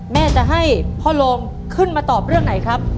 แม่จะให้พ่อโรงขึ้นมาตอบเรื่องไหนครับ